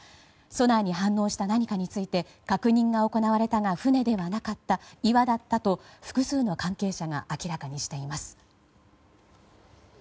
ソナーに反応した何かについて確認が行われたが船ではなかった岩だったと複数の関係者が明らかにしています。